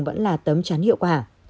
vẫn là tấm chắn hiệu quả